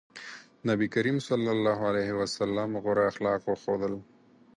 نبي کريم ص غوره اخلاق وښودل.